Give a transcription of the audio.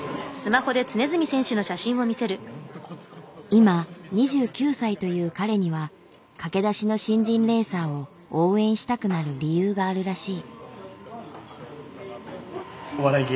今２９歳という彼には駆け出しの新人レーサーを応援したくなる理由があるらしい。